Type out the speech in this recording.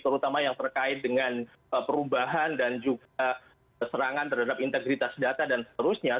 terutama yang terkait dengan perubahan dan juga serangan terhadap integritas data dan seterusnya